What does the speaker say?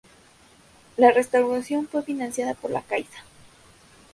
La restauración fue financiada por "La Caixa".